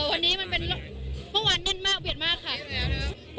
วันนี้มันเป็นเมื่อวานเน่นมากเบียดมากค่ะ